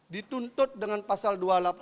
dituntut dengan pasal dua ratus delapan puluh